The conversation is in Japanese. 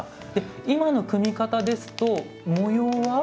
今の組み方ですと模様は？